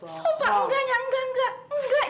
sobat enggaknya enggak enggak